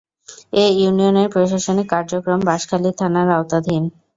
এ ইউনিয়নের প্রশাসনিক কার্যক্রম বাঁশখালী থানার আওতাধীন।